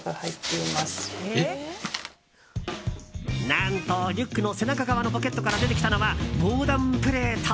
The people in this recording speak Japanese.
何と、リュックの背中側のポケットから出てきたのは防弾プレート！